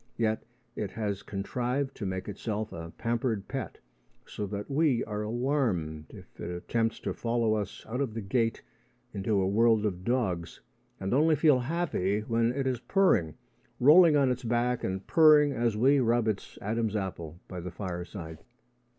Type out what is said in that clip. Yet it has contrived to make itself a pampered pet, so that we are alarmed if it attempts to follow us out of the gate into a world of dogs, and only feel happy when it is purring rolling on its back and purring as we rub its Adam's apple by the fireside.